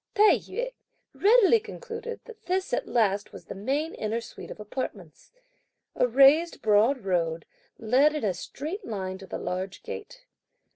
Tai yü readily concluded that this at last was the main inner suite of apartments. A raised broad road led in a straight line to the large gate.